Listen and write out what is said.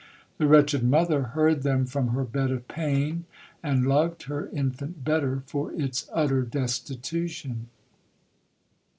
The wretched mother heard them from her bed of pain, and loved her infant better for its utter destitution.